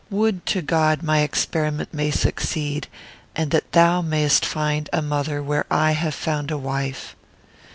Would to God my experiment may succeed, and that thou mayest find a mother where I have found a wife!"